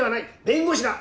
弁護士だ！